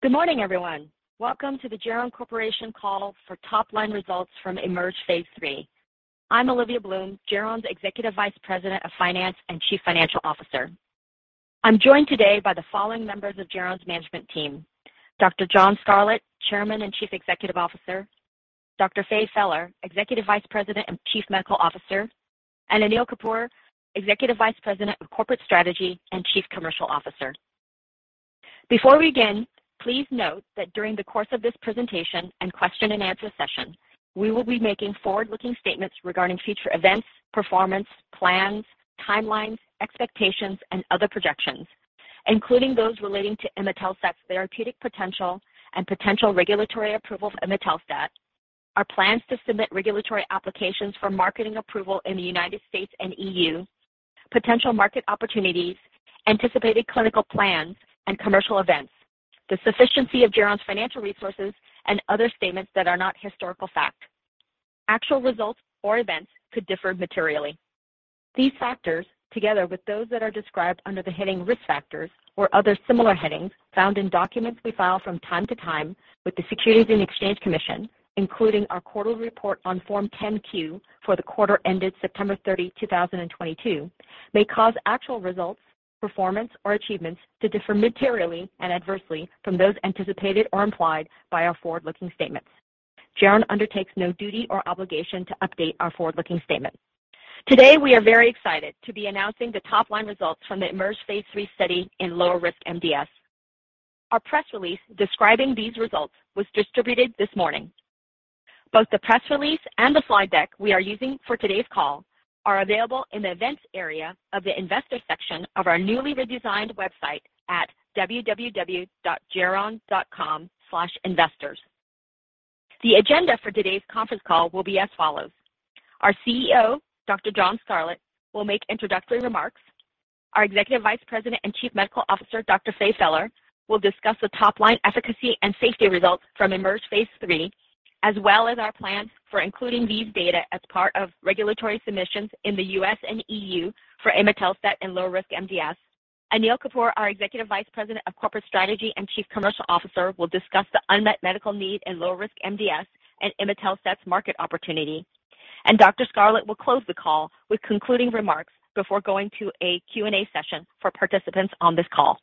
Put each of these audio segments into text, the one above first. Good morning, everyone. Welcome to the Geron Corporation call for top-line results from IMerge Phase III. I'm Olivia Bloom, Geron's Executive Vice President of Finance and Chief Financial Officer. I'm joined today by the following members of Geron's management team, Dr. John Scarlett, Chairman and Chief Executive Officer, Dr. Faye Feller, Executive Vice President and Chief Medical Officer, and Anil Kapur, Executive Vice President of Corporate Strategy and Chief Commercial Officer. Before we begin, please note that during the course of this presentation and question and answer session, we will be making forward-looking statements regarding future events, performance, plans, timelines, expectations, and other projections, including those relating to Imetelstat's therapeutic potential and potential regulatory approval for Imetelstat, our plans to submit regulatory applications for marketing approval in the United States and EU, potential market opportunities, anticipated clinical plans and commercial events, the sufficiency of Geron's financial resources, and other statements that are not historical fact. Actual results or events could differ materially. These factors, together with those that are described under the heading Risk Factors or other similar headings found in documents we file from time to time with the Securities and Exchange Commission, including our quarterly report on Form 10-Q for the quarter ended September 30, 2022, may cause actual results, performance, or achievements to differ materially and adversely from those anticipated or implied by our forward-looking statements. Geron undertakes no duty or obligation to update our forward-looking statements. Today, we are very excited to be announcing the top-line results from the IMerge phase III study in lower-risk MDS. Our press release describing these results was distributed this morning. Both the press release and the slide deck we are using for today's call are available in the Events area of the Investor section of our newly redesigned website at www.geron.com/investors. The agenda for today's conference call will be as follows. Our CEO, Dr. John Scarlett, will make introductory remarks. Our Executive Vice President and Chief Medical Officer, Dr. Faye Feller, will discuss the top-line efficacy and safety results from IMerge phase III, as well as our plans for including these data as part of regulatory submissions in the US and EU for Imetelstat and lower-risk MDS. Anil Kapur, our Executive Vice President of Corporate Strategy and Chief Commercial Officer, will discuss the unmet medical need in lower-risk MDS and Imetelstat's market opportunity. Dr. Scarlett will close the call with concluding remarks before going to a Q&A session for participants on this call.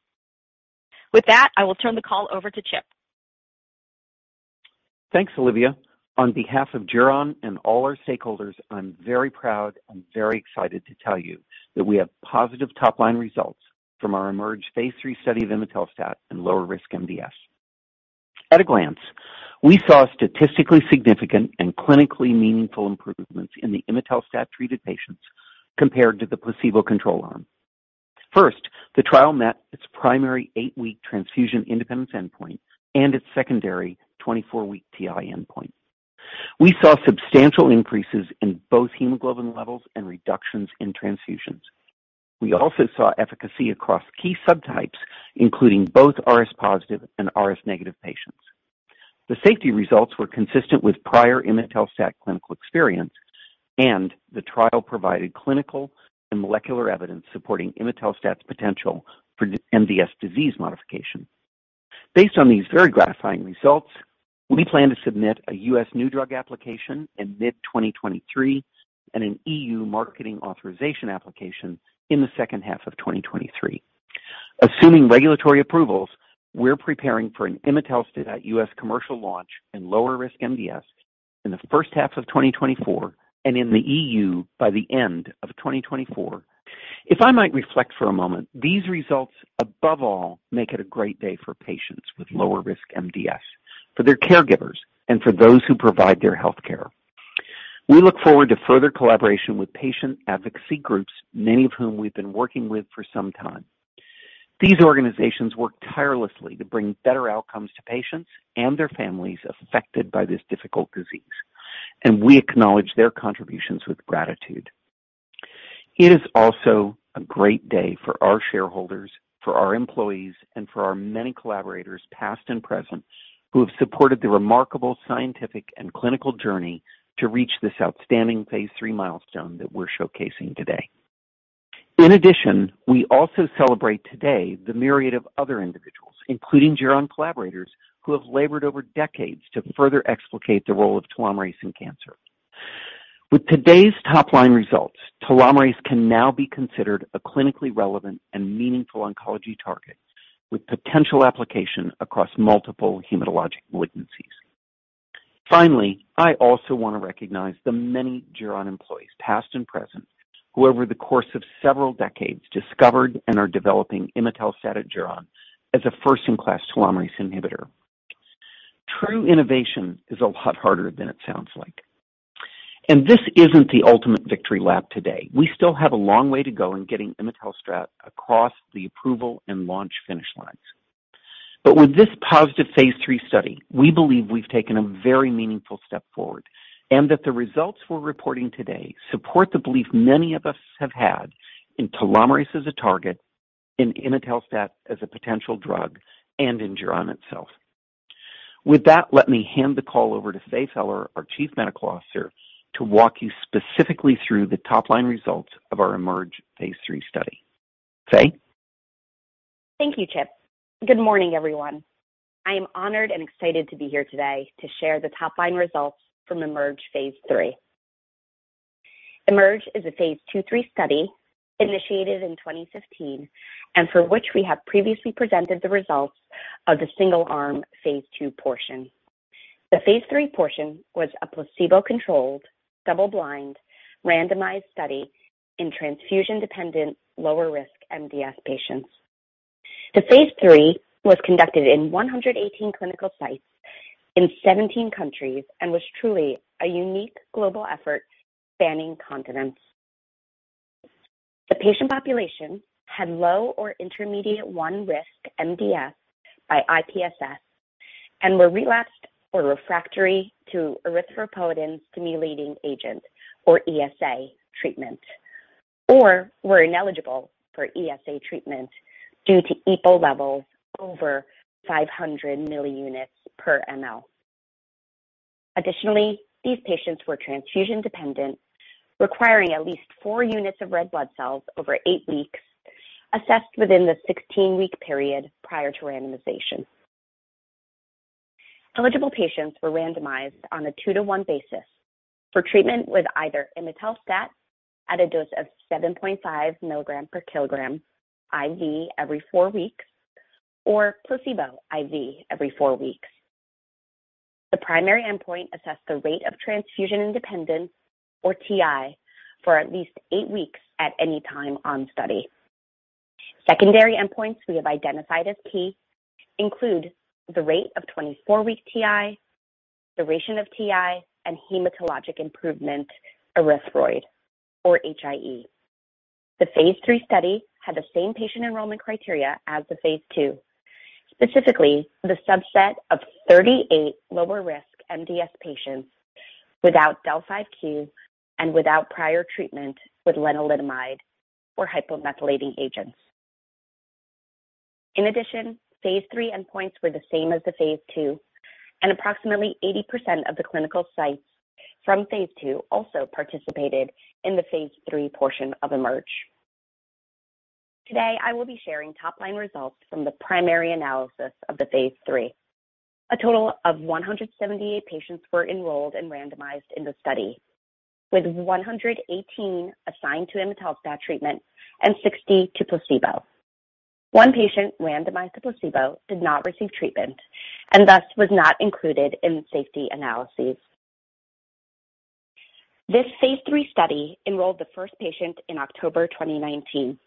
W ith that, I will turn the call over to Chip. Thanks, Olivia. On behalf of Geron and all our stakeholders, I'm very proud and very excited to tell you that we have positive top-line results from our IMerge phase III study of Imetelstat in lower-risk MDS. At a glance, we saw statistically significant and clinically meaningful improvements in the Imetelstat-treated patients compared to the placebo-control arm. First, the trial met its primary 8-week transfusion independence endpoint and its secondary 24-week TI endpoint. We saw substantial increases in both hemoglobin levels and reductions in transfusions. We also saw efficacy across key subtypes, including both RS-positive and RS-negative patients. The safety results were consistent with prior Imetelstat clinical experience. The trial provided clinical and molecular evidence supporting Imetelstat's potential for MDS disease modification. Based on these very gratifying results, we plan to submit a U.S. new drug application in mid-2023 and an EU marketing authorization application in the second half of 2023. Assuming regulatory approvals, we're preparing for an Imetelstat U.S. commercial launch in lower-risk MDS in the first half of 2024 and in the EU by the end of 2024. If I might reflect for a moment, these results above all make it a great day for patients with lower-risk MDS, for their caregivers, and for those who provide their healthcare. We look forward to further collaboration with patient advocacy groups, many of whom we've been working with for some time. These organizations work tirelessly to bring better outcomes to patients and their families affected by this difficult disease. We acknowledge their contributions with gratitude. It is also a great day for our shareholders, for our employees, and for our many collaborators, past and present, who have supported the remarkable scientific and clinical journey to reach this outstanding phase III milestone that we're showcasing today. We also celebrate today the myriad of other individuals, including Geron collaborators, who have labored over decades to further explicate the role of telomerase in cancer. With today's top-line results, telomerase can now be considered a clinically relevant and meaningful oncology target with potential application across multiple hematologic malignancies. I also want to recognize the many Geron employees, past and present, who over the course of several decades discovered and are developing Imetelstat at Geron as a first-in-class telomerase inhibitor. True innovation is a lot harder than it sounds like. This isn't the ultimate victory lap today. We still have a long way to go in getting Imetelstat across the approval and launch finish lines. With this positive phase III study, we believe we've taken a very meaningful step forward and that the results we're reporting today support the belief many of us have had in telomerase as a target, in Imetelstat as a potential drug, and in Geron itself. With that, let me hand the call over to Faye Feller, our Chief Medical Officer, to walk you specifically through the top-line results of our IMerge phase III study. Faye? Thank you, Chip. Good morning, everyone. I am honored and excited to be here today to share the top-line results from IMerge phase III. IMerge is a phase III study initiated in 2015, and for which we have previously presented the results of the single-arm phase II portion. The phase III portion was a placebo-controlled, double-blind, randomized study in transfusion-dependent, lower-risk MDS patients. The phase III was conducted in 118 clinical sites in 17 countries and was truly a unique global effort spanning continents. The patient population had low or intermediate one risk MDS by IPSS and were relapsed or refractory to erythropoietin-stimulating agent, or ESA, treatment, or were ineligible for ESA treatment due to EPO levels over 500 milliunits per ml. Additionally, these patients were transfusion-dependent, requiring at least four units of red blood cells over 8 weeks, assessed within the 16-week period prior to randomization. Eligible patients were randomized on a 2/1 basis for treatment with either Imetelstat at a dose of 7.5 mg/kg IV every 4 weeks or placebo IV every 4 weeks. The primary endpoint assessed the rate of transfusion independence, or TI, for at least 8 weeks at any time on study. Secondary endpoints we have identified as key include the rate of 24-week TI, duration of TI, and hematologic improvement erythroid, or HIE. The phase III study had the same patient enrollment criteria as the phase II, specifically the subset of 38 lower-risk MDS patients without del(5q) and without prior treatment with lenalidomide or hypomethylating agents. In addition, phase III endpoints were the same as the phase II, and approximately 80% of the clinical sites from phase II also participated in the phase III portion of IMerge. Today, I will be sharing top-line results from the primary analysis of the phase III. A total of 178 patients were enrolled and randomized in the study, with 118 assigned to Imetelstat treatment and 60 to placebo. One patient randomized to placebo did not receive treatment and thus was not included in the safety analyses. This phase III study enrolled the first patient in October 2019.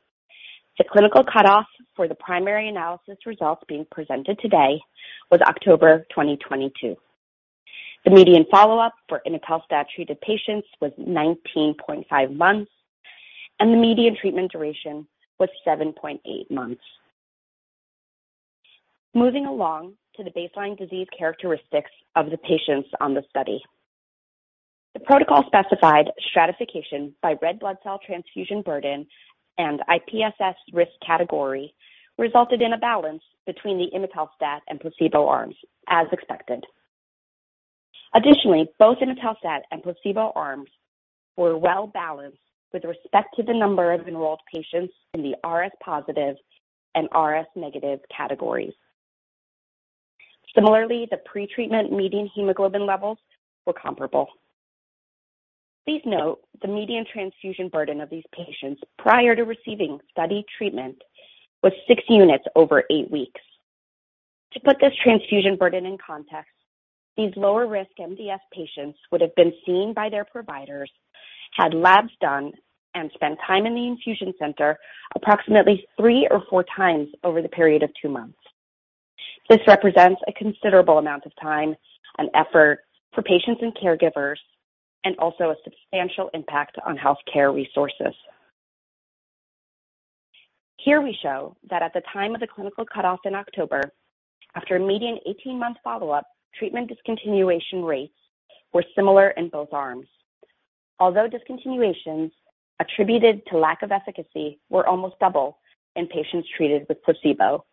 The clinical cutoff for the primary analysis results being presented today was October 2022. The median follow-up for Imetelstat-treated patients was 19.5 months, and the median treatment duration was 7.8 months. Moving along to the baseline disease characteristics of the patients on the study. The protocol-specified stratification by red blood cell transfusion burden and IPSS risk category resulted in a balance between the Imetelstat and placebo arms, as expected. Additionally, both Imetelstat and placebo arms were well-balanced with respect to the number of enrolled patients in the RS-positive and RS-negative categories. Similarly, the pretreatment median hemoglobin levels were comparable. Please note the median transfusion burden of these patients prior to receiving study treatment was six units over 8 weeks. To put this transfusion burden in context, these lower-risk MDS patients would have been seen by their providers, had labs done, and spent time in the infusion center approximately 3x or 4x over the period of 2 months. This represents a considerable amount of time and effort for patients and caregivers and also a substantial impact on healthcare resources. Here we show that at the time of the clinical cutoff in October, after a median 18-month follow-up, treatment discontinuation rates were similar in both arms. Discontinuations attributed to lack of efficacy were almost double in patients treated with placebo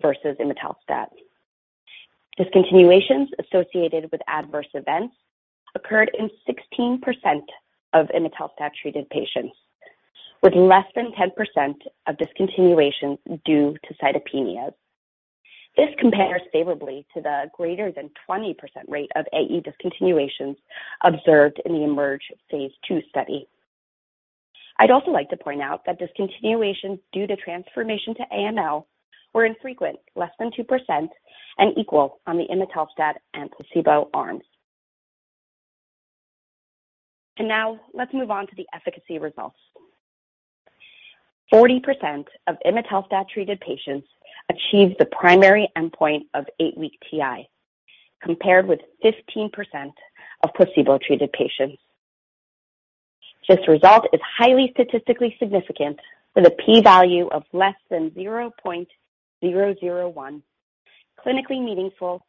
versus Imetelstat. Discontinuations associated with adverse events occurred in 16% of Imetelstat-treated patients, with less than 10% of discontinuations due to cytopenias. This compares favorably to the greater than 20% rate of AE discontinuations observed in the IMerge phase II study. I'd also like to point out that discontinuations due to transformation to AML were infrequent, less than 2%, and equal on the Imetelstat and placebo arms. Now let's move on to the efficacy results. 40% of Imetelstat-treated patients achieved the primary endpoint of 8-week TI, compared with 15% of placebo-treated patients. This result is highly statistically significant with a P value of less than 0.001, clinically meaningful,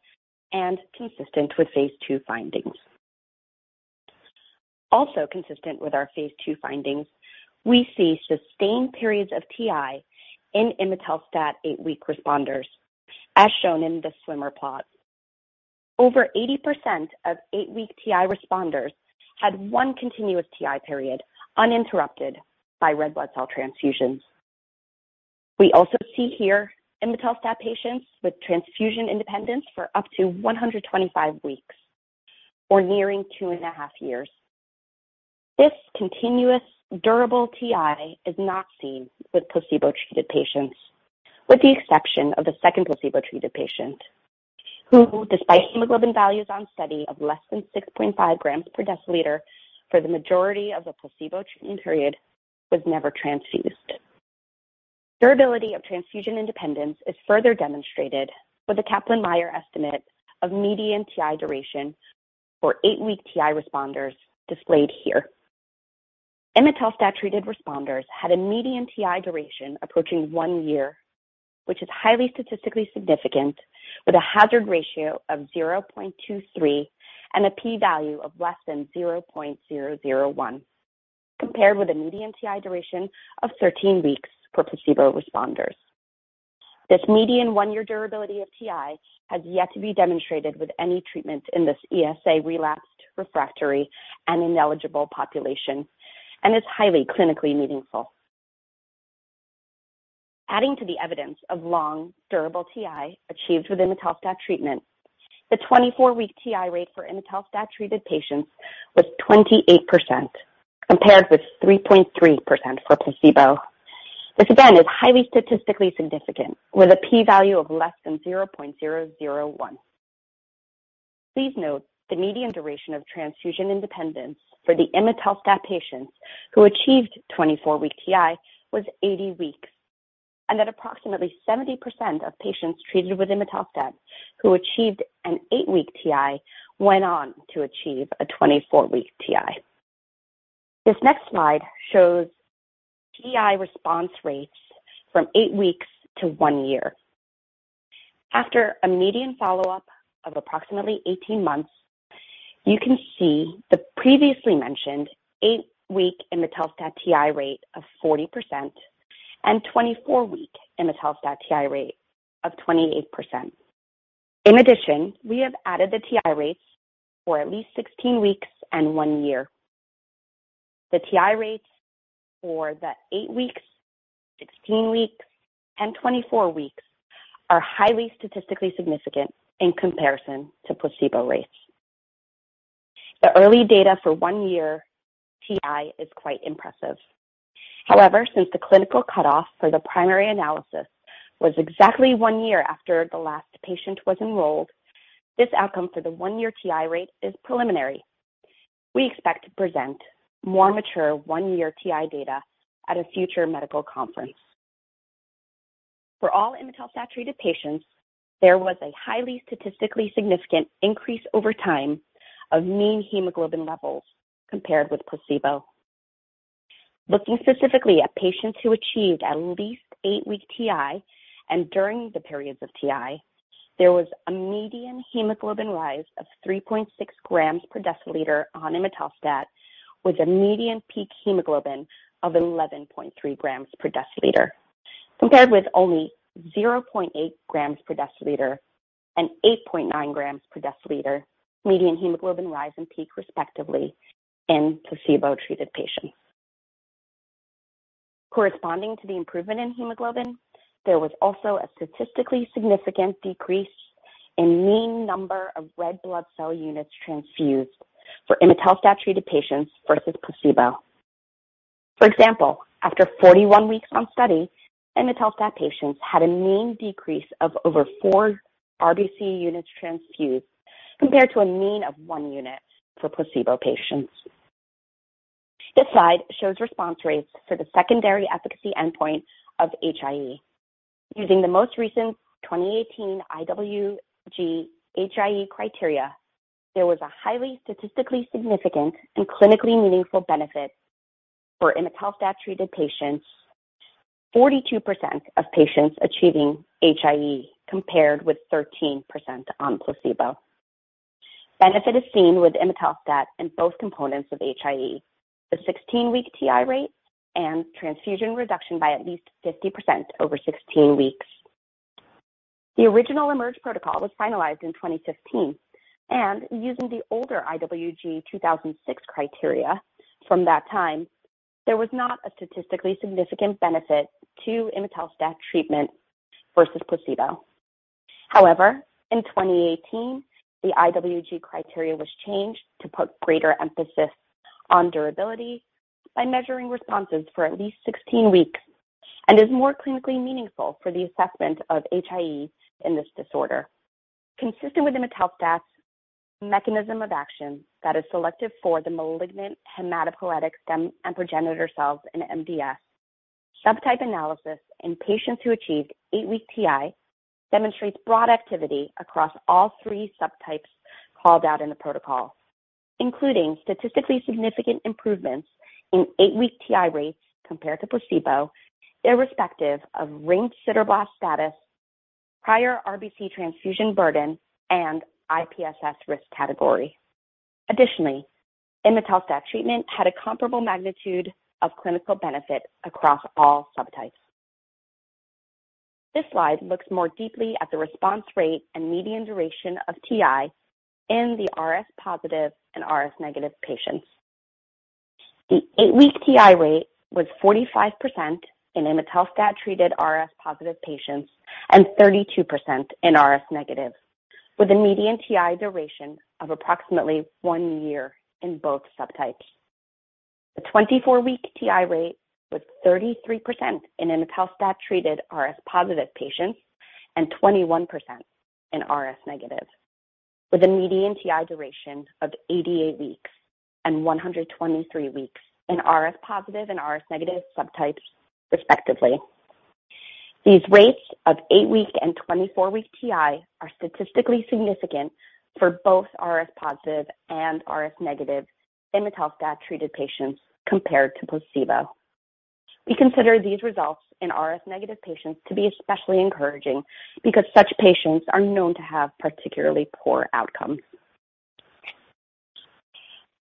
and consistent with phase II findings. Also consistent with our phase II findings, we see sustained periods of TI in Imetelstat 8-week responders as shown in the swimmer plot. Over 80% of 8-week TI responders had one continuous TI period uninterrupted by red blood cell transfusions. We also see here Imetelstat patients with transfusion independence for up to 125 weeks or nearing 2.5 years. This continuous durable TI is not seen with placebo-treated patients, with the exception of the second placebo-treated patient, who despite hemoglobin values on study of less than 6.5 grams per deciliter for the majority of the placebo treatment period, was never transfused. Durability of transfusion independence is further demonstrated with the Kaplan-Meier estimate of median TI duration for 8-week TI responders displayed here. Imetelstat-treated responders had a median TI duration approaching 1 year, which is highly statistically significant with a hazard ratio of 0.23 and a P value of less than 0.001 compared with a median TI duration of 13 weeks for placebo responders. This median 1-year durability of TI has yet to be demonstrated with any treatment in this ESA relapsed, refractory, and ineligible population and is highly clinically meaningful. Adding to the evidence of long durable TI achieved with Imetelstat treatment, the 24-week TI rate for Imetelstat-treated patients was 28% compared with 3.3% for placebo. This again is highly statistically significant with a P value of less than 0.001. Please note the median duration of transfusion independence for the Imetelstat patients who achieved 24-week TI was 80 weeks, and that approximately 70% of patients treated with Imetelstat who achieved an 8-week TI went on to achieve a 24-week TI. This next slide shows TI response rates from 8 weeks to 1 year. After a median follow-up of approximately 18 months, you can see the previously mentioned 8-week Imetelstat TI rate of 40% and 24-week Imetelstat TI rate of 28%. In addition, we have added the TI rates for at least 16 weeks and 1 year. The TI rates for the 8 weeks, 16 weeks, and 24 weeks are highly statistically significant in comparison to placebo rates. The early data for 1 year TI is quite impressive. Since the clinical cutoff for the primary analysis was exactly 1 year after the last patient was enrolled, this outcome for the 1-year TI rate is preliminary. We expect to present more mature 1-year TI data at a future medical conference. For all Imetelstat-treated patients, there was a highly statistically significant increase over time of mean hemoglobin levels compared with placebo. Looking specifically at patients who achieved at least 8-week TI and during the periods of TI, there was a median hemoglobin rise of 3.6 grams per deciliter on Imetelstat with a median peak hemoglobin of 11.3 grams per deciliter, compared with only 0.8 grams per deciliter and 8.9 grams per deciliter median hemoglobin rise in peak respectively in placebo-treated patients. Corresponding to the improvement in hemoglobin, there was also a statistically significant decrease in mean number of red blood cell units transfused for Imetelstat-treated patients versus placebo. For example, after 41 weeks on study, Imetelstat patients had a mean decrease of over four RBC units transfused compared to a mean of one unit for placebo patients. This slide shows response rates for the secondary efficacy endpoint of HIE. Using the most recent 2018 IWG HIE criteria, there was a highly statistically significant and clinically meaningful benefit for Imetelstat-treated patients. 42% of patients achieving HIE compared with 13% on placebo. Benefit is seen with Imetelstat in both components of HIE, the 16-week TI rate and transfusion reduction by at least 50% over 16 weeks. The original IMerge protocol was finalized in 2015 and using the older IWG 2006 criteria from that time, there was not a statistically significant benefit to Imetelstat treatment versus placebo. However, in 2018, the IWG criteria was changed to put greater emphasis on durability by measuring responses for at least 16 weeks, and is more clinically meaningful for the assessment of HIE in this disorder. Consistent with Imetelstat's mechanism of action that is selective for the malignant hematopoietic stem and progenitor cells in MDS, subtype analysis in patients who achieved 8-week TI demonstrates broad activity across all three subtypes called out in the protocol, including statistically significant improvements in 8-week TI rates compared to placebo irrespective of ring sideroblast status Prior RBC transfusion burden and IPSS risk category. Additionally, Imetelstat treatment had a comparable magnitude of clinical benefit across all subtypes. This slide looks more deeply at the response rate and median duration of TI in the RS-positive and RS-negative patients. The 8-week TI rate was 45% in Imetelstat-treated RS-positive patients and 32% in RS-negative, with a median TI duration of approximately 1 year in both subtypes. The 24-week TI rate was 33% in Imetelstat-treated RS-positive patients and 21% in RS-negative, with a median TI duration of 88 weeks and 123 weeks in RS-positive and RS-negative subtypes respectively. These rates of 8-week and 24-week TI are statistically significant for both RS-positive and RS-negative Imetelstat-treated patients compared to placebo. We consider these results in RS-negative patients to be especially encouraging because such patients are known to have particularly poor outcomes.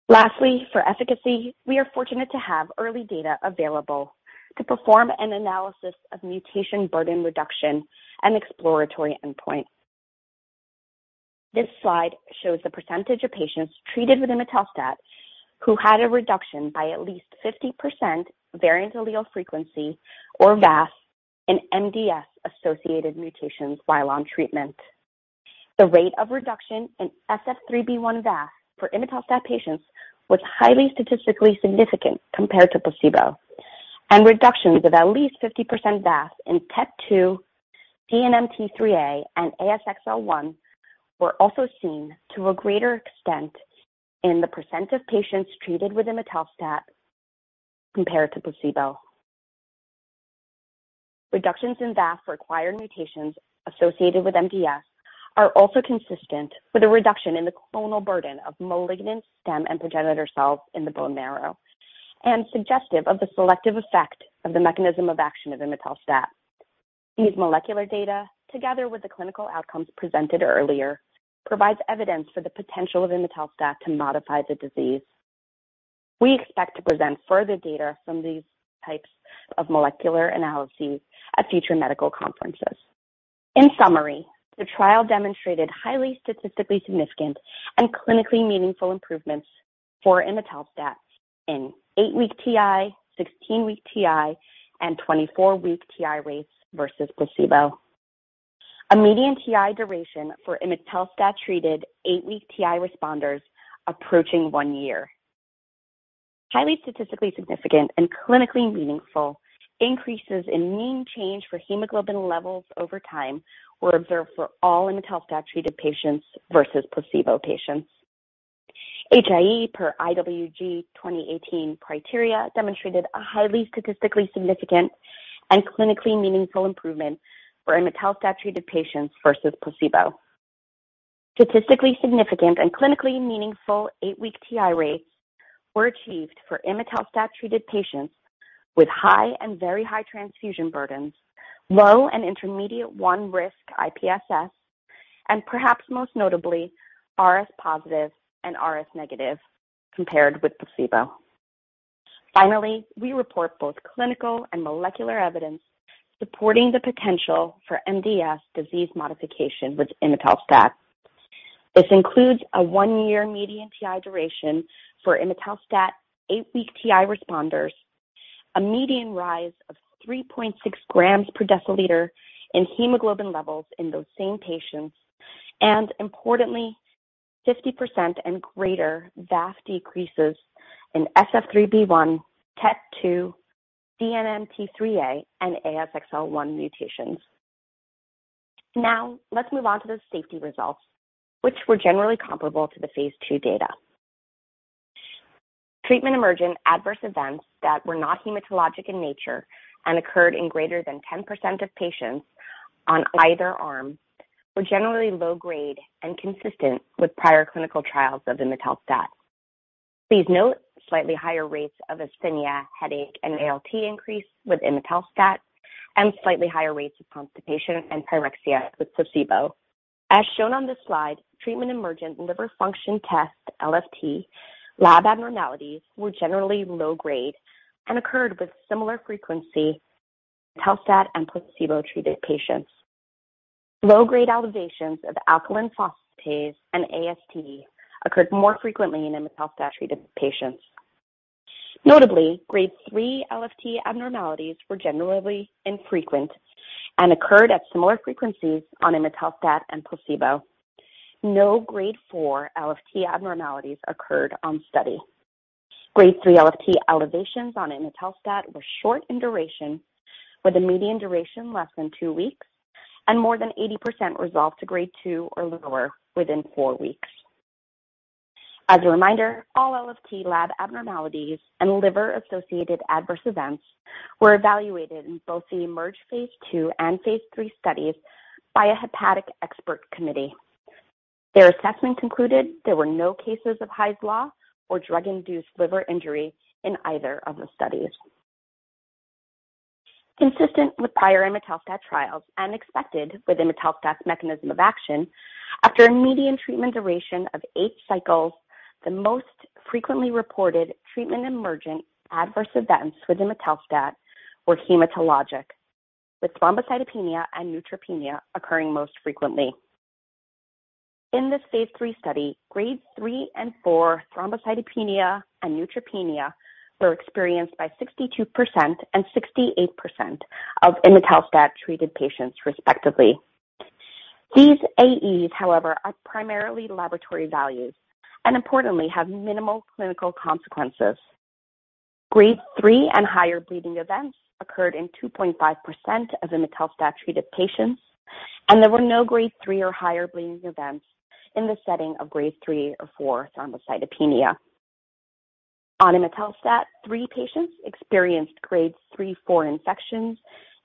For efficacy, we are fortunate to have early data available to perform an analysis of mutation burden reduction and exploratory endpoint. This slide shows the percentage of patients treated with Imetelstat who had a reduction by at least 50% variant allele frequency or VAF in MDS associated mutations while on treatment. The rate of reduction in SF3B1 VAF for Imetelstat patients was highly statistically significant compared to placebo, and reductions of at least 50% VAF in TET2, DNMT3A, and ASXL1 were also seen to a greater extent in the percent of patients treated with Imetelstat compared to placebo. Reductions in VAF for acquired mutations associated with MDS are also consistent with a reduction in the clonal burden of malignant stem and progenitor cells in the bone marrow and suggestive of the selective effect of the mechanism of action of Imetelstat. These molecular data, together with the clinical outcomes presented earlier, provides evidence for the potential of Imetelstat to modify the disease. We expect to present further data from these types of molecular analyses at future medical conferences. In summary, the trial demonstrated highly statistically significant and clinically meaningful improvements for Imetelstat in 8-week TI, 16-week TI, and 24-week TI rates versus placebo. A median TI duration for Imetelstat-treated 8-week TI responders approaching 1 year. Highly statistically significant and clinically meaningful increases in mean change for hemoglobin levels over time were observed for all Imetelstat-treated patients versus placebo patients. HIE per IWG 2018 criteria demonstrated a highly statistically significant and clinically meaningful improvement for Imetelstat-treated patients versus placebo. Statistically significant and clinically meaningful 8-week TI rates were achieved for Imetelstat-treated patients with high and very high transfusion burdens, low and intermediate 1 risk IPSS, and perhaps most notably, RS-positive and RS-negative compared with placebo. We report both clinical and molecular evidence supporting the potential for MDS disease modification with Imetelstat. This includes a 1-year median TI duration for Imetelstat 8-week TI responders, a median rise of 3.6 grams per deciliter in hemoglobin levels in those same patients, and importantly, 50% and greater VAF decreases in SF3B1, TET2, DNMT3A, and ASXL1 mutations. Let's move on to the safety results, which were generally comparable to the phase II data. Treatment emergent adverse events that were not hematologic in nature and occurred in greater than 10% of patients on either arm were generally low grade and consistent with prior clinical trials of Imetelstat. Please note slightly higher rates of asthenia, headache, and ALT increase with Imetelstat and slightly higher rates of constipation and pyrexia with placebo. As shown on this slide, treatment emergent liver function test, LFT, lab abnormalities were generally low-grade and occurred with similar frequency Imetelstat and placebo-treated patients. Low-grade elevations of alkaline phosphatase and AST occurred more frequently in Imetelstat-treated patients. Notably, grade 3 LFT abnormalities were generally infrequent and occurred at similar frequencies on Imetelstat and placebo. No grade 4 LFT abnormalities occurred on study. Grade 3 LFT elevations on Imetelstat were short in duration, with a median duration less than 2 weeks and more than 80% resolved to grade 2 or lower within 4 weeks. As a reminder, all LFT lab abnormalities and liver-associated adverse events were evaluated in both the IMerge phase II and phase III studies by a hepatic expert committee. Their assessment concluded there were no cases of Hy's Law or drug-induced liver injury in either of the studies. Consistent with prior Imetelstat trials and expected with Imetelstat's mechanism of action, after a median treatment duration of 8 cycles, the most frequently reported treatment-emergent adverse events with Imetelstat were hematologic, with thrombocytopenia and neutropenia occurring most frequently. In this phase III study, grades 3 and 4 thrombocytopenia and neutropenia were experienced by 62% and 68% of Imetelstat-treated patients respectively. These AEs, however, are primarily laboratory values and importantly have minimal clinical consequences. Grade 3 and higher bleeding events occurred in 2.5% ofIimetelstat-treated patients. There were no grade 3 or higher bleeding events in the setting of grade 3-4 thrombocytopenia. On Imetelstat, three patients experienced grade 3-4 infections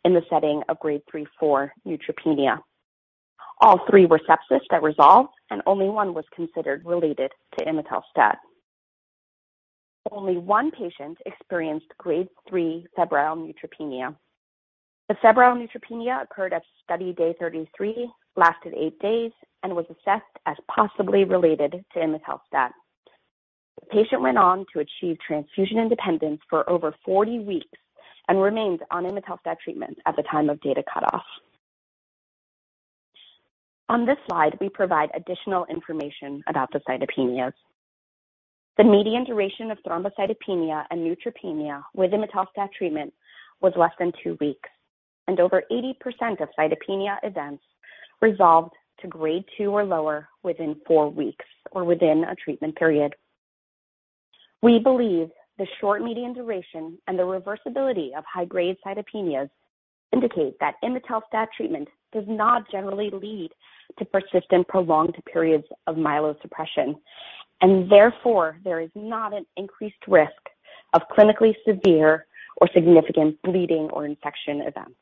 in the setting of grade 3-4 neutropenia. All three were sepsis that resolved. Only one was considered related to Imetelstat. Only one patient experienced grade 3 febrile neutropenia. The febrile neutropenia occurred at study day 33, lasted eight days, and was assessed as possibly related to Imetelstat. The patient went on to achieve transfusion independence for over 40 weeks and remains on Imetelstat treatment at the time of data cutoff. On this slide, we provide additional information about the cytopenias. The median duration of thrombocytopenia and neutropenia with Imetelstat treatment was less than 2 weeks, and over 80% of cytopenia events resolved to grade 2 or lower within 4 weeks or within a treatment period. We believe the short median duration and the reversibility of high-grade cytopenias indicate that Imetelstat treatment does not generally lead to persistent, prolonged periods of myelosuppression. Therefore, there is not an increased risk of clinically severe or significant bleeding or infection events.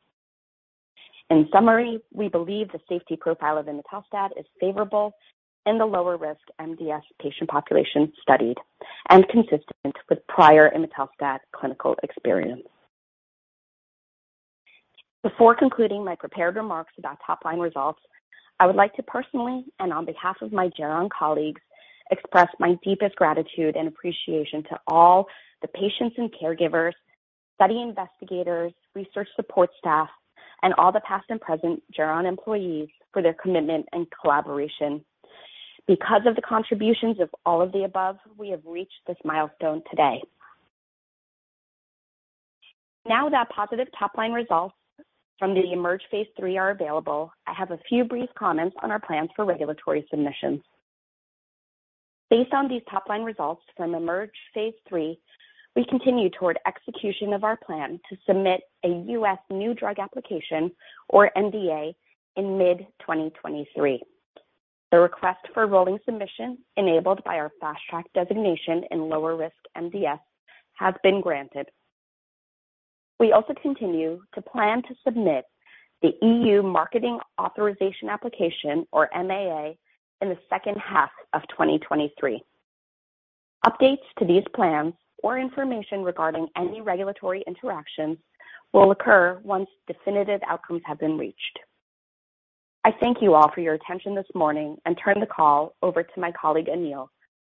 In summary, we believe the safety profile of Imetelstat is favorable in the lower risk MDS patient population studied and consistent with prior Imetelstat clinical experience. Before concluding my prepared remarks about top-line results, I would like to personally, and on behalf of my Geron colleagues, express my deepest gratitude and appreciation to all the patients and caregivers, study investigators, research support staff, and all the past and present Geron employees for their commitment and collaboration. Because of the contributions of all of the above, we have reached this milestone today. Now that positive top-line results from the IMerge phase III are available, I have a few brief comments on our plans for regulatory submissions. Based on these top-line results from IMerge phase III, we continue toward execution of our plan to submit a U.S. new drug application or NDA in mid-2023. The request for rolling submission enabled by our Fast Track designation in lower risk MDS has been granted. We also continue to plan to submit the EU Marketing Authorization Application or MAA in the second half of 2023. Updates to these plans or information regarding any regulatory interactions will occur once definitive outcomes have been reached. I thank you all for your attention this morning and turn the call over to my colleague, Anil,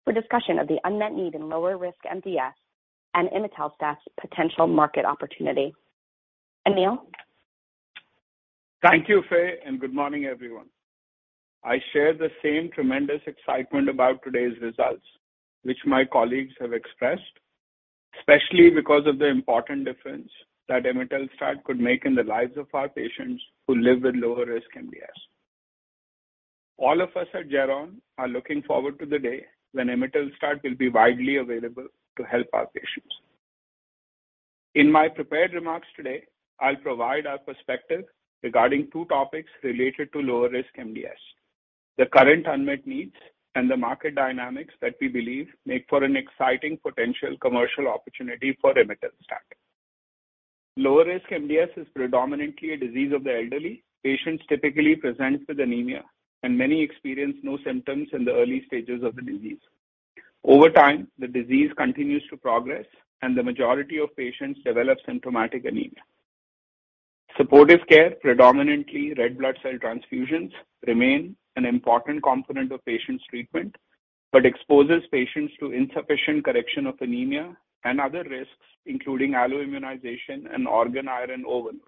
for discussion of the unmet need in lower risk MDS and Imetelstat's potential market opportunity. Anil? Thank you, Faye. Good morning, everyone. I share the same tremendous excitement about today's results, which my colleagues have expressed, especially because of the important difference that Imetelstat could make in the lives of our patients who live with lower risk MDS. All of us at Geron are looking forward to the day when Imetelstat will be widely available to help our patients. In my prepared remarks today, I'll provide our perspective regarding two topics related to lower risk MDS: the current unmet needs and the market dynamics that we believe make for an exciting potential commercial opportunity for Imetelstat. Lower risk MDS is predominantly a disease of the elderly. Patients typically present with anemia, and many experience no symptoms in the early stages of the disease. Over time, the disease continues to progress, and the majority of patients develop symptomatic anemia. Supportive care, predominantly red blood cell transfusions, remain an important component of patients' treatment but exposes patients to insufficient correction of anemia and other risks, including alloimmunization and organ iron overload.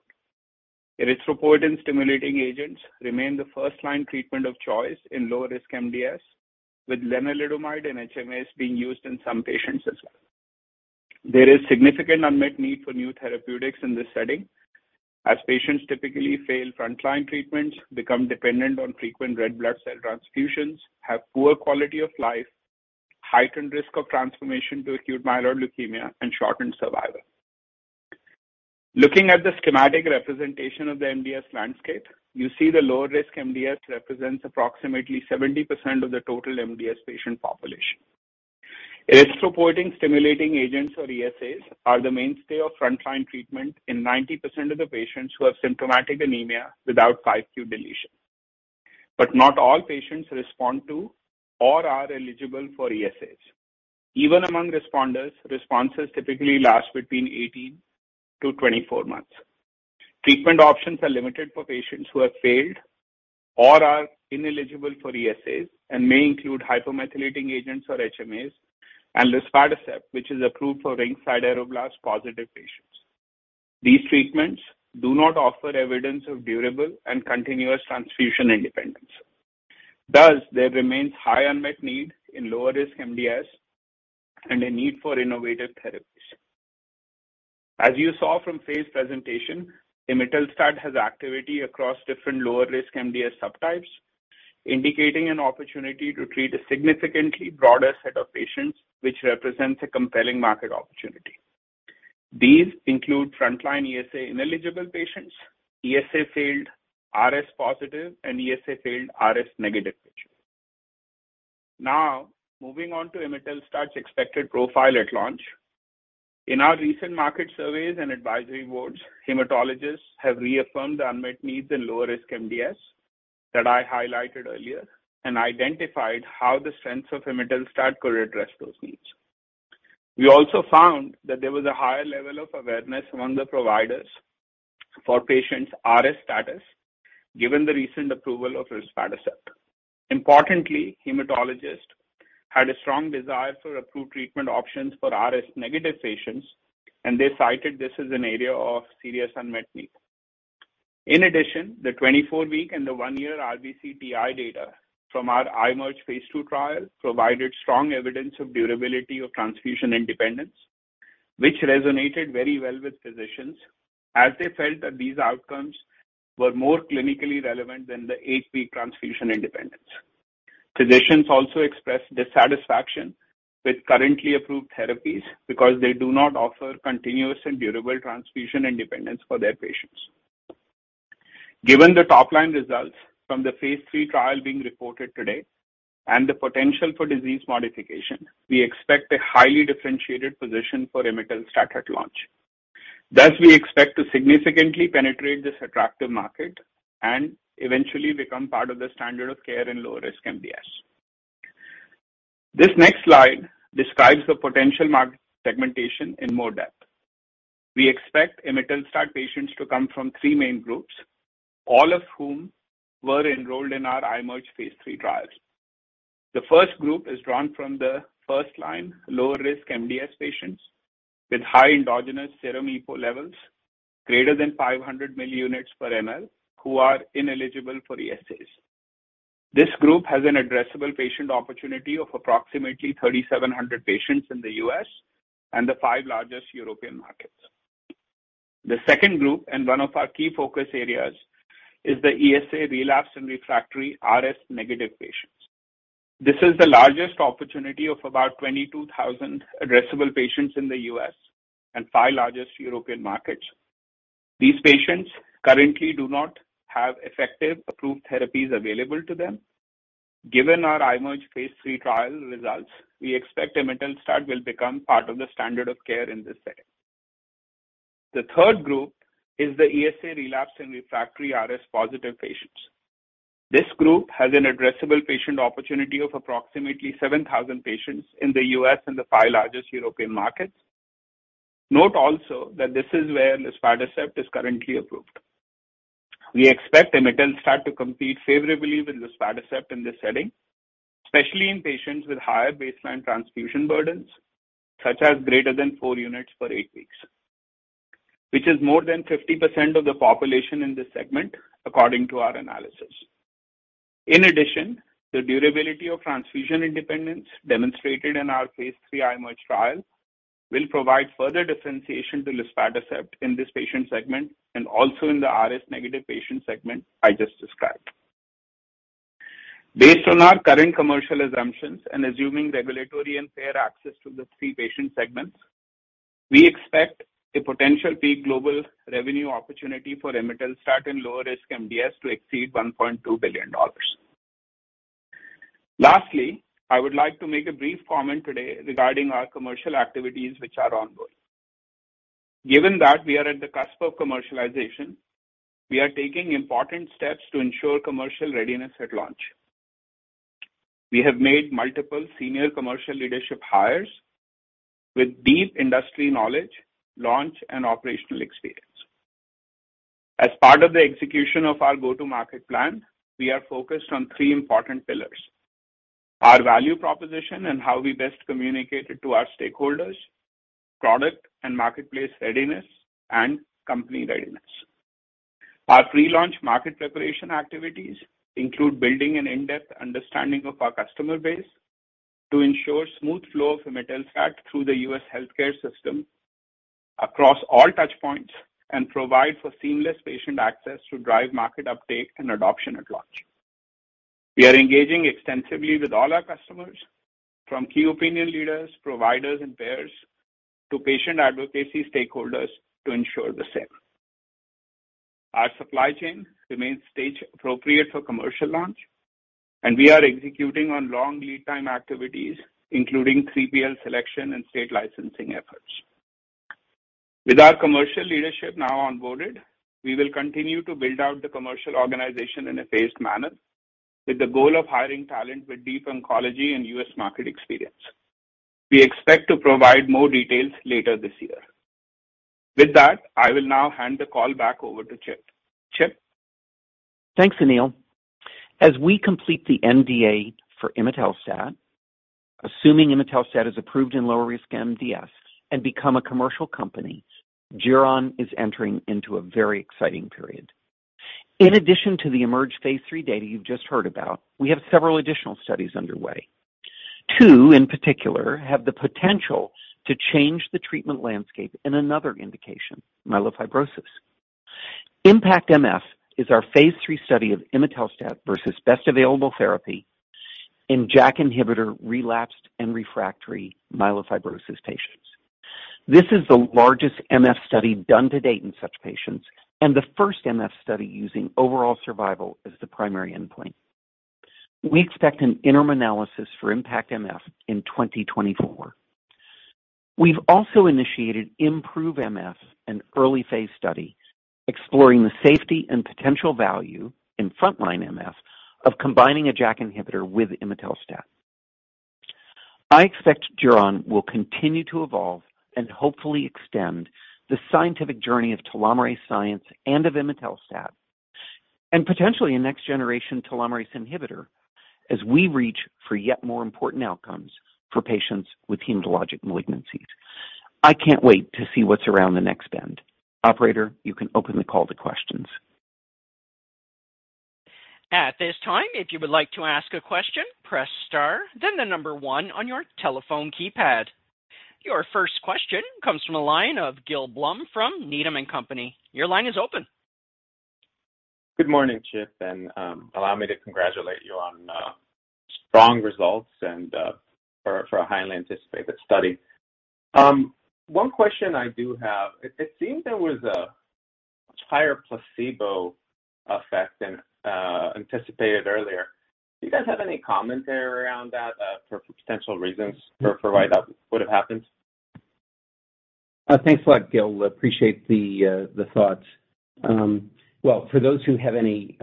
Erythropoietin-stimulating agents remain the first-line treatment of choice in lower risk MDS, with lenalidomide and HMs being used in some patients as well. There is significant unmet need for new therapeutics in this setting, as patients typically fail frontline treatments, become dependent on frequent red blood cell transfusions, have poor quality of life, heightened risk of transformation to acute myeloid leukemia, and shortened survival. Looking at the schematic representation of the MDS landscape, you see the lower risk MDS represents approximately 70% of the total MDS patient population. Erythropoietin-stimulating agents or ESAs are the mainstay of frontline treatment in 90% of the patients who have symptomatic anemia without 5q deletion. Not all patients respond to or are eligible for ESAs. Even among responders, responses typically last between 18-24 months. Treatment options are limited for patients who have failed or are ineligible for ESAs, and may include hypomethylating agents or HMAs and Luspatercept, which is approved for ring sideroblast positive patients. These treatments do not offer evidence of durable and continuous transfusion independence. Thus, there remains high unmet need in lower-risk MDS and a need for innovative therapies. As you saw from Faye's presentation, Imetelstat has activity across different lower-risk MDS subtypes, indicating an opportunity to treat a significantly broader set of patients, which represents a compelling market opportunity. These include frontline ESA-ineligible patients, ESA failed RS-positive, and ESA failed RS-negative patients. Moving on to Imetelstat's expected profile at launch. In our recent market surveys and advisory boards, hematologists have reaffirmed the unmet needs in lower-risk MDS that I highlighted earlier and identified how the sense of Imetelstat could address those needs. We also found that there was a higher level of awareness among the providers for patients' RS status, given the recent approval of Luspatercept. Importantly, hematologists had a strong desire for approved treatment options for RS-negative patients. They cited this as an area of serious unmet need. In addition, the 24-week and the 1-year RBC TI data from our IMerge phase II trial provided strong evidence of durability of transfusion independence, which resonated very well with physicians as they felt that these outcomes were more clinically relevant than the 8-week transfusion independence. Physicians also expressed dissatisfaction with currently approved therapies because they do not offer continuous and durable transfusion independence for their patients. Given the top-line results from the phase III trial being reported today and the potential for disease modification, we expect a highly differentiated position for Imetelstat at launch. We expect to significantly penetrate this attractive market and eventually become part of the standard of care in low-risk MDS. This next slide describes the potential market segmentation in more depth. We expect Imetelstat patients to come from three main groups, all of whom were enrolled in our IMerge phase III trials. The first group is drawn from the first line, lower-risk MDS patients with high endogenous serum EPO levels greater than 500 millunits per ml, who are ineligible for ESAs. This group has an addressable patient opportunity of approximately 3,700 patients in the U.S. and the five largest European markets. The second group, and one of our key focus areas, is the ESA relapse and refractory RS-negative patients. This is the largest opportunity of about 22,000 addressable patients in the U.S. and five largest European markets. These patients currently do not have effective approved therapies available to them. Given our IMerge phase III trial results, we expect Imetelstat will become part of the standard of care in this setting. The third group is the ESA relapse and refractory RS-positive patients. This group has an addressable patient opportunity of approximately 7,000 patients in the U.S. and the five largest European markets. Note also that this is where Luspatercept is currently approved. We expect Imetelstat to compete favorably with Luspatercept in this setting, especially in patients with higher baseline transfusion burdens such as greater than 4 units per 8 weeks, which is more than 50% of the population in this segment, according to our analysis. The durability of transfusion independence demonstrated in our phase III IMerge trial will provide further differentiation to Luspatercept in this patient segment and also in the RS-negative patient segment I just described. Based on our current commercial assumptions and assuming regulatory and payer access to the three patient segments, we expect a potential peak global revenue opportunity for Imetelstat in lower-risk MDS to exceed $1.2 billion. I would like to make a brief comment today regarding our commercial activities which are ongoing. Given that we are at the cusp of commercialization, we are taking important steps to ensure commercial readiness at launch. We have made multiple senior commercial leadership hires with deep industry knowledge, launch, and operational experience. As part of the execution of our go-to-market plan, we are focused on three important pillars: our value proposition and how we best communicate it to our stakeholders, product and marketplace readiness, and company readiness. Our pre-launch market preparation activities include building an in-depth understanding of our customer base to ensure smooth flow of Imetelstat through the U.S. healthcare system across all touch points and provide for seamless patient access to drive market uptake and adoption at launch. We are engaging extensively with all our customers, from key opinion leaders, providers, and payers to patient advocacy stakeholders, to ensure the same. Our supply chain remains stage appropriate for commercial launch, and we are executing on long lead time activities, including 3PL selection and state licensing efforts. With our commercial leadership now onboarded, we will continue to build out the commercial organization in a phased manner with the goal of hiring talent with deep oncology and U.S. market experience. We expect to provide more details later this year. With that, I will now hand the call back over to Chip. Chip? Thanks, Anil. We complete the NDA for Imetelstat, assuming Imetelstat is approved in lower risk MDS and become a commercial company, Geron is entering into a very exciting period. In addition to the IMerge phase III data you've just heard about, we have several additional studies underway. Two, in particular, have the potential to change the treatment landscape in another indication, Myelofibrosis. IMpactMF is our phase III study of Imetelstat versus best available therapy in JAK inhibitor relapsed and refractory Myelofibrosis patients. This is the largest MF study done to date in such patients and the first MF study using overall survival as the primary endpoint. We expect an interim analysis for IMpactMF in 2024. We've also initiated IMproveMF, an early phase study exploring the safety and potential value in frontline MF of combining a JAK inhibitor with Imetelstat. I expect Geron will continue to evolve and hopefully extend the scientific journey of telomerase science and of Imetelstat, and potentially a next-generation telomerase inhibitor as we reach for yet more important outcomes for patients with hematologic malignancies. I can't wait to see what's around the next bend. Operator, you can open the call to questions. At this time, if you would like to ask a question, press star then the number one on your telephone keypad. Your first question comes from the line of Gil Blum from Needham & Company. Your line is open. Good morning, Chip. Allow me to congratulate you on strong results and for a highly anticipated study. One question I do have. It seems there was a much higher placebo effect than anticipated earlier. Do you guys have any commentary around that for potential reasons for why that would have happened? Thanks a lot, Gil. Appreciate the thoughts. Well, for those who have any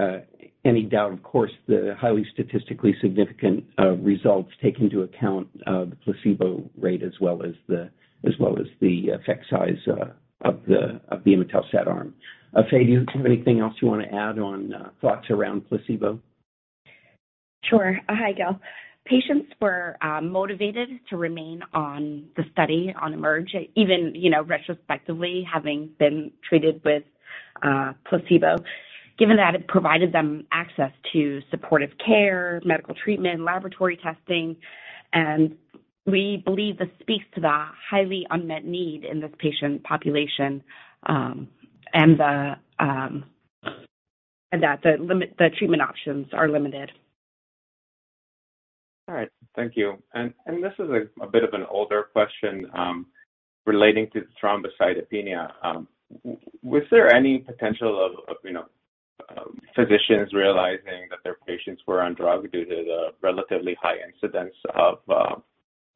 doubt, of course, the highly statistically significant results take into account the placebo rate as well as the effect size of the Imetelstat arm. Faye, do you have anything else you wanna add on thoughts around placebo? Sure. Hi, Gil. Patients were motivated to remain on the study, on IMerge, even, you know, retrospectively having been treated with placebo, given that it provided them access to supportive care, medical treatment, laboratory testing. We believe this speaks to the highly unmet need in this patient population, and that the treatment options are limited. All right. Thank you. This is a bit of an older question, relating to the thrombocytopenia. Was there any potential of, you know, physicians realizing that their patients were on drug due to the relatively high incidence of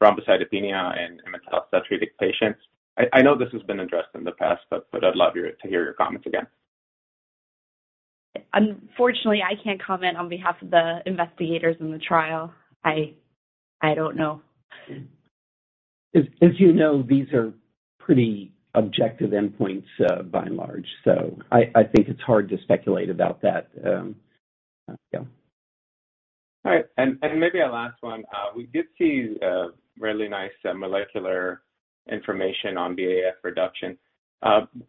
thrombocytopenia in Imetelstat-treated patients? I know this has been addressed in the past, but I'd love to hear your comments again. Unfortunately, I can't comment on behalf of the investigators in the trial. I don't know. You know, these are pretty objective endpoints, by and large, I think it's hard to speculate about that, yeah. All right. Maybe a last one. We did see really nice molecular information on VAF reduction.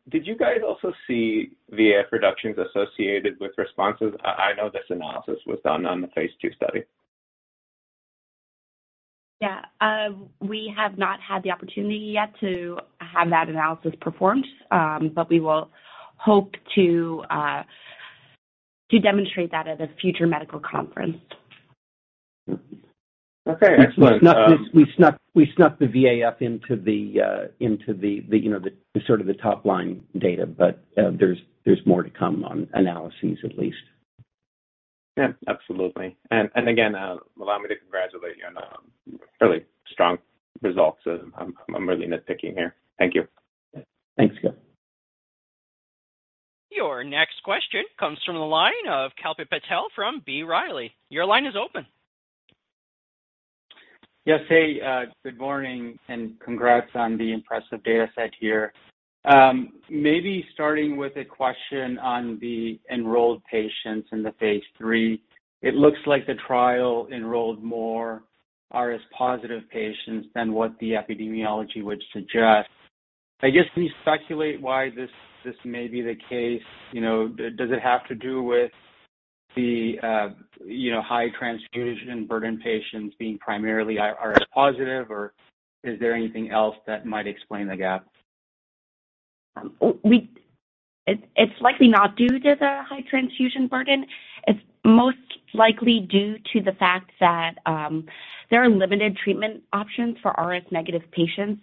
Did you guys also see VAF reductions associated with responses? I know this analysis was done on the phase II study. Yeah. We have not had the opportunity yet to have that analysis performed, but we will hope to to demonstrate that at a future medical conference. Okay, excellent. We snuck the VAF into the, into the, you know, the sort of the top-line data. There's more to come on analyses at least. Yeah, absolutely. Again, allow me to congratulate you on really strong results. I'm really nitpicking here. Thank you. Thanks, Gil. Your next question comes from the line of Kalpit Patel from B. Riley. Your line is open. Yes. Hey, good morning and congrats on the impressive data set here. Maybe starting with a question on the enrolled patients in the phase III. It looks like the trial enrolled more RS-positive patients than what the epidemiology would suggest. I guess can you speculate why this may be the case? You know, does it have to do with the, you know, high transfusion burden patients being primarily RS-positive, or is there anything else that might explain the gap? It's likely not due to the high transfusion burden. It's most likely due to the fact that there are limited treatment options for RS-negative patients.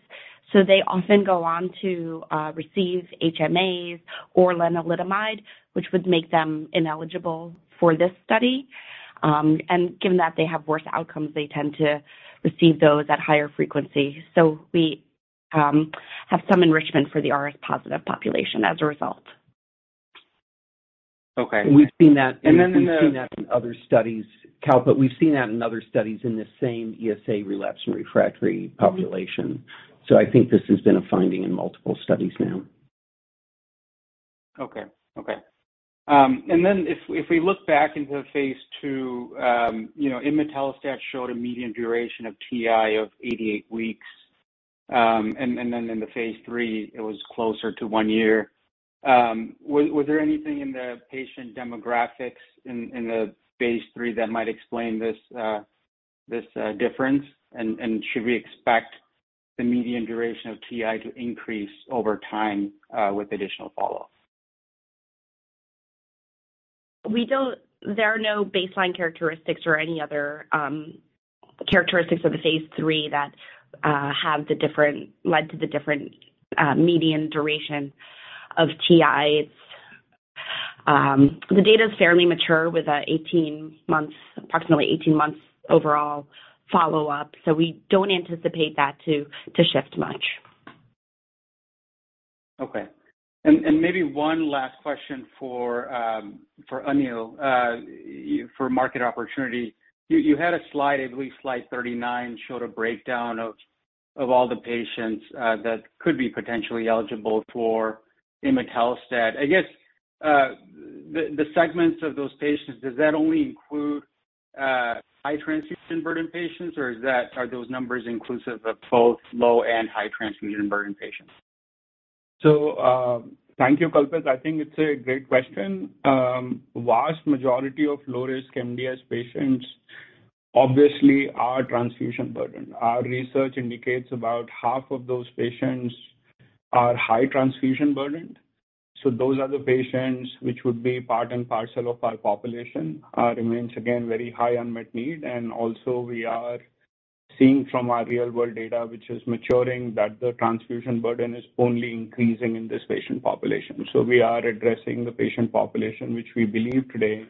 They often go on to receive HMAs or lenalidomide, which would make them ineligible for this study. Given that they have worse outcomes, they tend to receive those at higher frequency. We have some enrichment for the RS-positive population as a result. Okay. We've seen that. And then in the. We've seen that in other studies, Kalpit. We've seen that in other studies in the same ESA relapse and refractory population. I think this has been a finding in multiple studies now. Okay. Okay. If we look back into the phase II, you know, Imetelstat showed a median duration of TI of 88 weeks. Then in the phase III, it was closer to one year. Was there anything in the patient demographics in the phase III that might explain this difference? Should we expect the median duration of TI to increase over time with additional follow-up? We don't. There are no baseline characteristics or any other characteristics of the phase III that have led to the different median duration of TIs. The data is fairly mature with 18 months, approximately 18 months overall follow-up. We don't anticipate that to shift much. Okay. Maybe one last question for Anil, for market opportunity. You had a slide, I believe slide 39, showed a breakdown of all the patients that could be potentially eligible for imetelstat. I guess the segments of those patients, does that only include high transfusion burden patients, or are those numbers inclusive of both low and high transfusion burden patients? Thank you, Kalpit. I think it's a great question. Vast majority of low-risk MDS patients obviously are transfusion burdened. Our research indicates about half of those patients are high transfusion burdened, so those are the patients which would be part and parcel of our population. Remains again, very high unmet need, and also we are seeing from our real world data, which is maturing, that the transfusion burden is only increasing in this patient population. We are addressing the patient population, which we believe today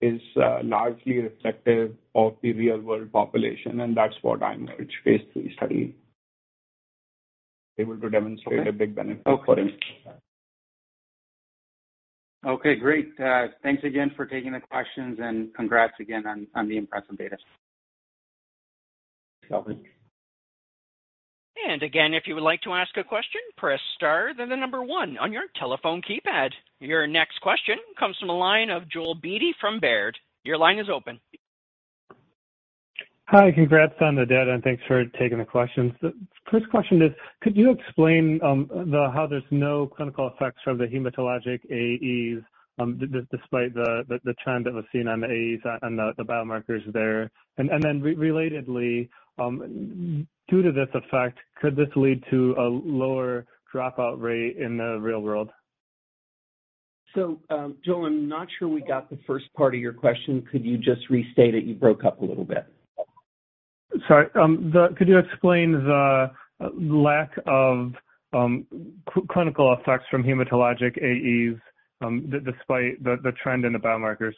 is largely reflective of the real world population, and that's what I encourage phase III study able to demonstrate a big benefit for Imetelstat. Okay, great. Thanks again for taking the questions, and congrats again on the impressive data. Thanks, Kalpit. Again, if you would like to ask a question, press star, then one on your telephone keypad. Your next question comes from the line of Joel Beatty from Baird. Your line is open. Hi. Congrats on the data, thanks for taking the questions. The first question is, could you explain how there's no clinical effects from the hematologic AEs despite the trend that was seen on the AEs and the biomarkers there? Relatedly, due to this effect, could this lead to a lower dropout rate in the real world? Joel, I'm not sure we got the first part of your question. Could you just restate it? You broke up a little bit. Sorry. Could you explain the lack of clinical effects from hematologic AEs, despite the trend in the biomarkers?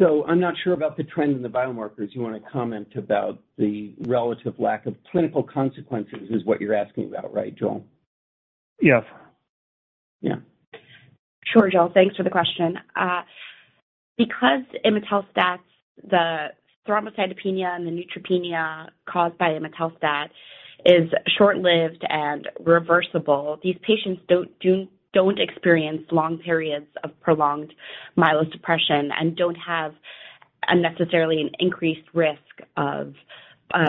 I'm not sure about the trend in the biomarkers. You want to comment about the relative lack of clinical consequences is what you're asking about, right, Joel? Yes. Yeah. Sure, Joel. Thanks for the question. Because Imetelstat's, the thrombocytopenia and the neutropenia caused by Imetelstat is short-lived and reversible, these patients don't experience long periods of prolonged myelosuppression and don't have unnecessarily an increased risk of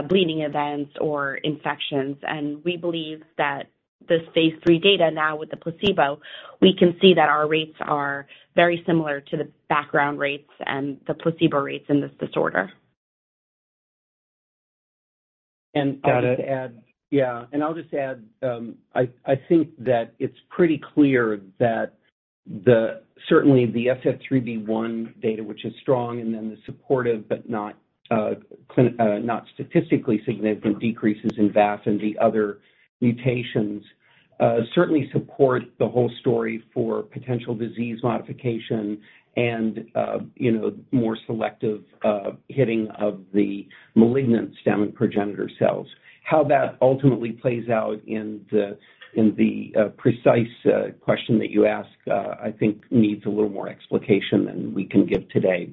bleeding events or infections. We believe that this phase III data now with the placebo, we can see that our rates are very similar to the background rates and the placebo rates in this disorder. I'll just add. Got it. Yeah. I'll just add, I think that it's pretty clear that the certainly the SF3B1 data, which is strong, and then the supportive but not statistically significant decreases in VAF and the other mutations, certainly support the whole story for potential disease modification and, you know, more selective hitting of the malignant stem and progenitor cells. How that ultimately plays out in the, in the precise question that you ask, I think needs a little more explication than we can give today.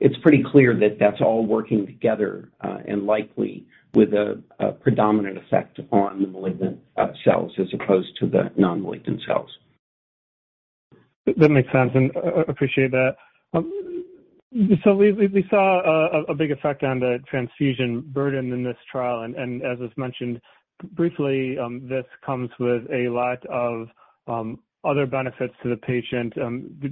It's pretty clear that that's all working together, and likely with a predominant effect on the malignant cells as opposed to the non-malignant cells. That makes sense, and I appreciate that. We saw a big effect on the transfusion burden in this trial. As is mentioned briefly, this comes with a lot of other benefits to the patient,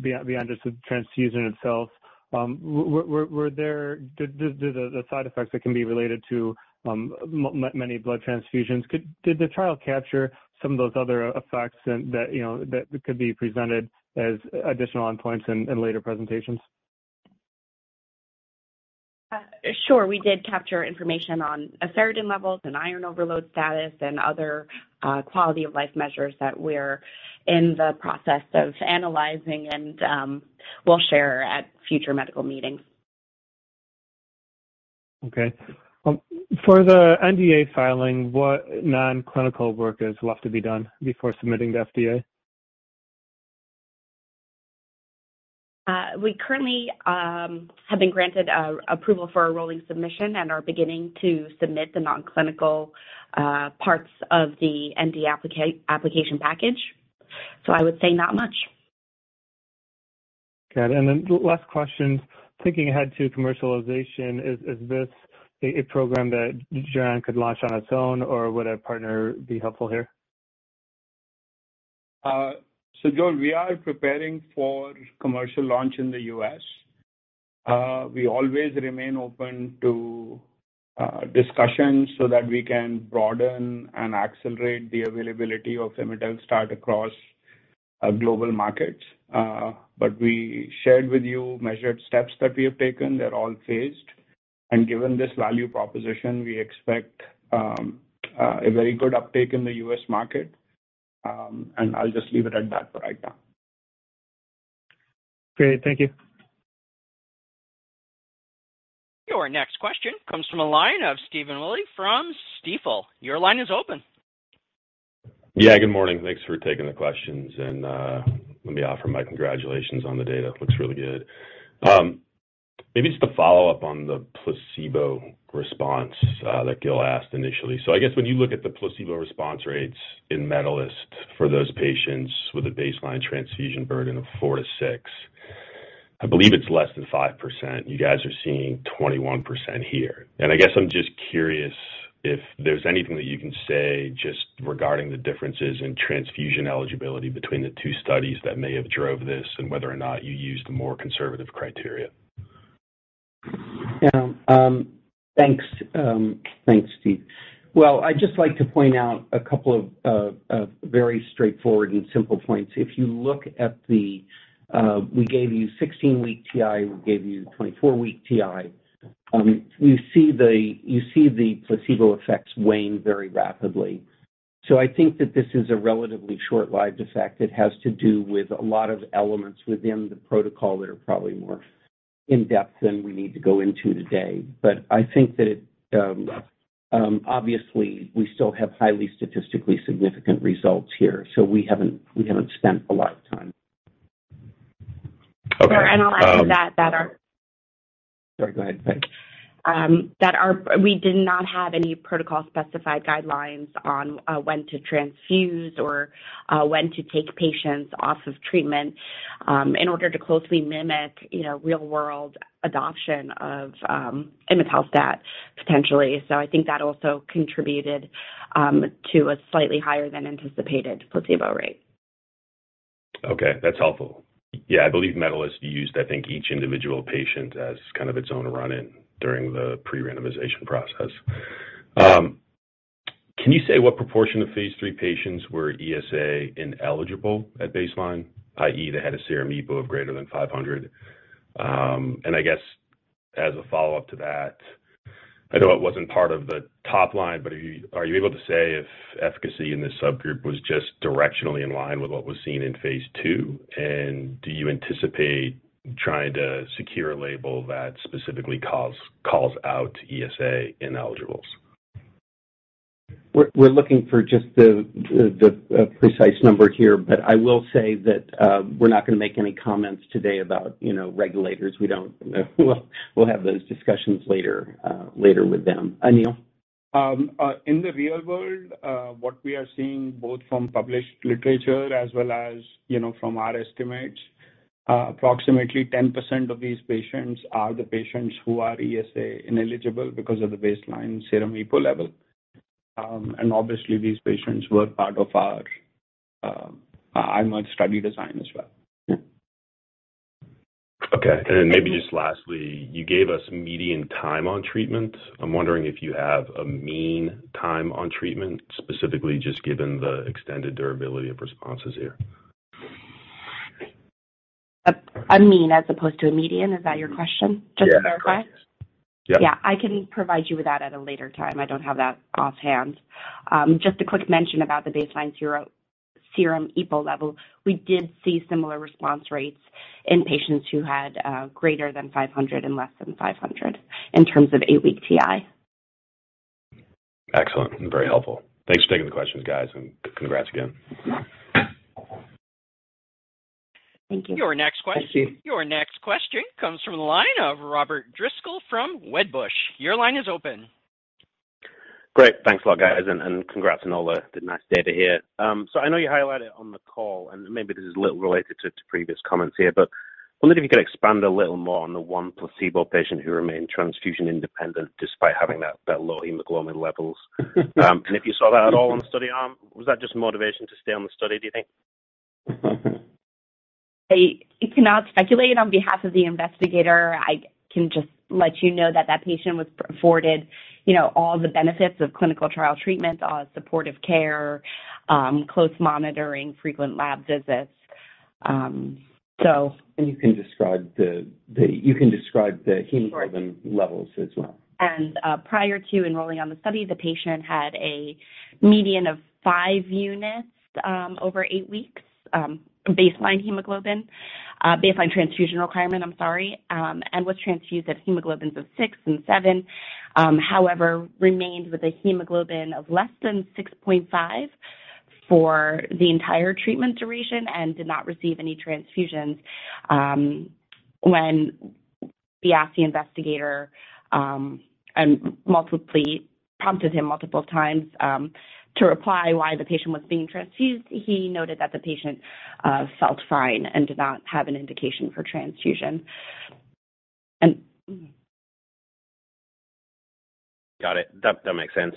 beyond just the transfusion itself. Were there the side effects that can be related to many blood transfusions? Did the trial capture some of those other effects and that, you know, that could be presented as additional endpoints in later presentations? Sure. We did capture information on ferritin levels and iron overload status and other quality of life measures that we're in the process of analyzing and we'll share at future medical meetings. Okay. For the NDA filing, what non-clinical work is left to be done before submitting to FDA? We currently have been granted approval for a rolling submission and are beginning to submit the non-clinical parts of the NDA application package. I would say not much. Got it. Then last question. Thinking ahead to commercialization, is this a program that Geron could launch on its own, or would a partner be helpful here? Joel, we are preparing for commercial launch in the U.S. We always remain open to discussions so that we can broaden and accelerate the availability of Imetelstat across global markets. We shared with you measured steps that we have taken. They're all phased. Given this value proposition, we expect a very good uptake in the U.S. market. I'll just leave it at that for right now. Great. Thank you. Your next question comes from a line of Stephen Willey from Stifel. Your line is open. Yeah, good morning. Thanks for taking the questions. Let me offer my congratulations on the data. Looks really good. Maybe just a follow-up on the placebo response that Gil asked initially. I guess when you look at the placebo response rates in MEDALIST for those patients with a baseline transfusion burden of 4-6, I believe it's less than 5%. You guys are seeing 21% here. I guess I'm just curious if there's anything that you can say just regarding the differences in transfusion eligibility between the two studies that may have drove this and whether or not you used more conservative criteria? Yeah. Thanks. Thanks, Steve. Well, I'd just like to point out a couple of very straightforward and simple points. If you look at the, we gave you 16-week TI, we gave you 24-week TI. You see the placebo effects wane very rapidly. I think that this is a relatively short-lived effect that has to do with a lot of elements within the protocol that are probably more in-depth than we need to go into today. I think that it, obviously we still have highly statistically significant results here, so we haven't spent a lot of time. Okay. We're analyzing that. Sorry, go ahead, please. We did not have any protocol-specified guidelines on when to transfuse or when to take patients off of treatment, in order to closely mimic, you know, real-world adoption of Imetelstat potentially. I think that also contributed to a slightly higher than anticipated placebo rate. Okay. That's helpful. Yeah, I believe MEDALIST used, I think, each individual patient as kind of its own run-in during the pre-randomization process. Can you say what proportion of phase III patients were ESA ineligible at baseline, i.e., they had a serum EPO of greater than 500? I guess as a follow-up to that, I know it wasn't part of the top line, but are you able to say if efficacy in this subgroup was just directionally in line with what was seen in phase II? Do you anticipate trying to secure a label that specifically calls out ESA ineligibles? We're looking for just the precise number here, but I will say that we're not gonna make any comments today about, you know, regulators. We'll have those discussions later with them. Anil? In the real world, what we are seeing both from published literature as well as, you know, from our estimates, approximately 10% of these patients are the patients who are ESA ineligible because of the baseline serum EPO level. Obviously these patients were part of our IMerge study design as well. Okay. Then maybe just lastly, you gave us median time on treatment. I'm wondering if you have a mean time on treatment, specifically just given the extended durability of responses here. A mean as opposed to a median, is that your question? Mm-hmm. Just to clarify? Yeah. Yeah. I can provide you with that at a later time. I don't have that offhand. Just a quick mention about the baseline serum EPO level. We did see similar response rates in patients who had greater than 500 and less than 500 in terms of 8-week TI. Excellent and very helpful. Thanks for taking the questions, guys, and congrats again. Thank you. Your next question. Thank you. Your next question comes from the line of Robert Driscoll from Wedbush. Your line is open. Great. Thanks a lot, guys, and congrats on all the nice data here. I know you highlighted on the call, and maybe this is a little related to previous comments here, but I wonder if you could expand a little more on the one placebo patient who remained transfusion independent despite having that low hemoglobin levels. If you saw that at all on the study arm? Was that just motivation to stay on the study, do you think? I cannot speculate on behalf of the investigator. I can just let you know that that patient was afforded, you know, all the benefits of clinical trial treatment, all the supportive care, close monitoring, frequent lab visits. You can describe the hemoglobin levels as well. Prior to enrolling on the study, the patient had a median of 5 units over 8 weeks baseline hemoglobin. Baseline transfusion requirement, I'm sorry. Was transfused at hemoglobins of six and seven. However, remained with a hemoglobin of less than 6.5 for the entire treatment duration and did not receive any transfusions. When we asked the investigator, and prompted him multiple times, to reply why the patient was being transfused, he noted that the patient felt fine and did not have an indication for transfusion. Got it. That makes sense.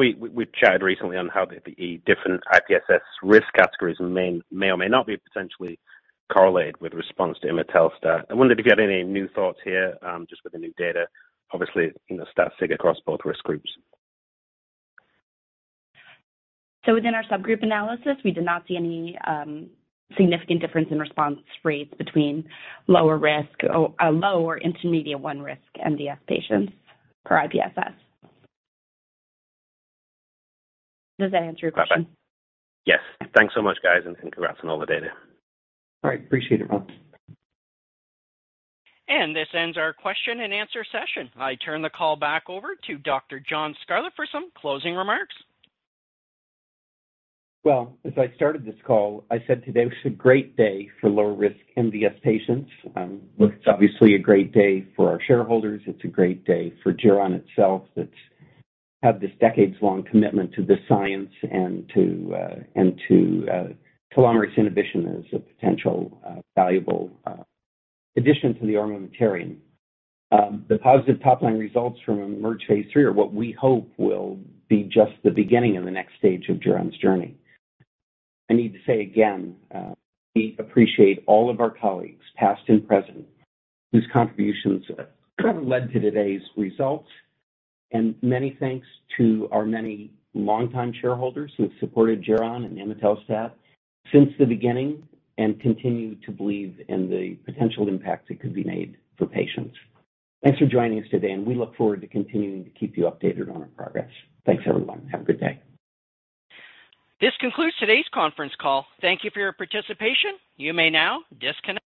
We chatted recently on how the different IPSS risk categories may or may not be potentially correlated with response to Imetelstat. I wondered if you had any new thoughts here, just with the new data. Obviously, you know, stat sig across both risk groups. Within our subgroup analysis, we did not see any significant difference in response rates between lower risk or low or intermediate one risk MDS patients for IPSS. Does that answer your question? Perfect. Yes. Thanks so much, guys. Congrats on all the data. All right. Appreciate it, Rob. This ends our question and answer session. I turn the call back over to Dr. John Scarlett for some closing remarks. Well, as I started this call, I said today was a great day for lower risk MDS patients. It's obviously a great day for our shareholders. It's a great day for Geron itself that's had this decades-long commitment to this science and to telomerase inhibition as a potential valuable addition to the armamentarium. The positive top-line results from IMerge are what we hope will be just the beginning of the next stage of Geron's journey. I need to say again, we appreciate all of our colleagues, past and present, whose contributions have led to today's results. Many thanks to our many longtime shareholders who have supported Geron and Imetelstat since the beginning and continue to believe in the potential impact that could be made for patients. Thanks for joining us today. We look forward to continuing to keep you updated on our progress. Thanks, everyone. Have a good day. This concludes today's conference call. Thank you for your participation. You may now disconnect.